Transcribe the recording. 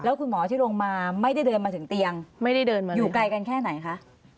แล้วคุณหมอที่ลงมาไม่ได้เดินมาถึงเตียงอยู่ไกลกันแค่ไหนคะ